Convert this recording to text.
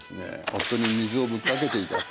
夫に水をぶっかけていた。